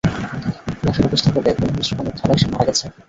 লাশের অবস্থা বলে, কোন হিংস্র প্রাণীর থাবায় সে মারা গেছে।